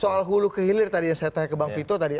soal hulu kehilir tadi yang saya tanya ke bang vita tadi